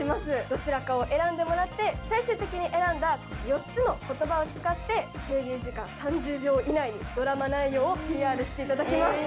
どちらかを選んでもらって最終的に選んだ４つの言葉を使って制限時間３０秒以内にドラマ内容をＰＲしていただきます。